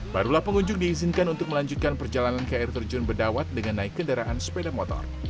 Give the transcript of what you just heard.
barulah pengunjung diizinkan untuk melanjutkan perjalanan ke air terjun bedawat dengan naik kendaraan sepeda motor